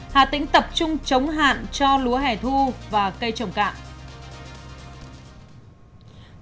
hà tĩnh tập trung chống hạn cho lúa hẻ thu và cây trồng cạn